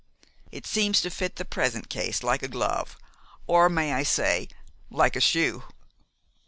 "It seems to fit the present case like a glove, or may I say, like a shoe?"